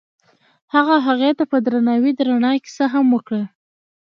هغه هغې ته په درناوي د رڼا کیسه هم وکړه.